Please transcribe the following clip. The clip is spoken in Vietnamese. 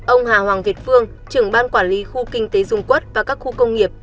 ông hà hoàng việt phương trưởng ban quản lý khu kinh tế dung quốc và các khu công nghiệp